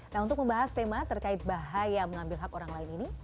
nah untuk membahas tema terkait bahaya mengambil hak orang lain ini